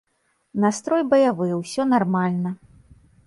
Настрой баявы, усё нармальна.